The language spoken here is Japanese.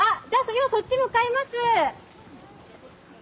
今そっち向かいます。